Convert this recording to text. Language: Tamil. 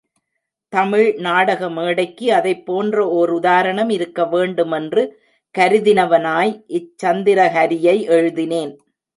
தமிழ் நாடக மேடைக்கு அதைப் போன்ற ஓர் உதாரணம் இருக்க வேண்டுமென்று கருதினவனாய் இச் சந்திரஹரியை எழுதினேன்.